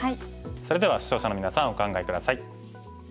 それでは視聴者のみなさんお考え下さい。